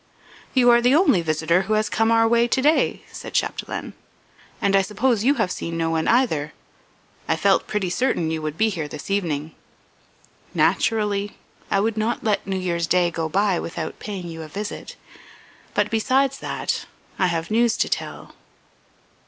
"You are the only visitor who has come our way to day," said Chapdelaine, "and I suppose you have seen no one either. I felt pretty certain you would be here this evening." "Naturally ... I would not let New Year's Day go by without paying you a visit. But, besides that, I have news to tell."